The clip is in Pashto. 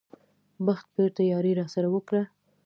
بخت بېرته یاري راسره وکړه.